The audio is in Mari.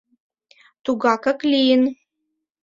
Тугакак лийын...